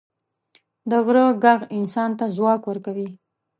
د غره ږغ انسان ته ځواک ورکوي.